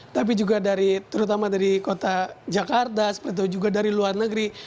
tapi juga dari terutama dari kota jakarta seperti itu juga dari luar negeri